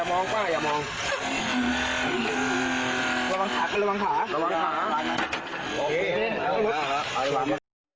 รลองข้าเดี๋ยวเหรอครับอยากจะมองพ่ออย่ามอง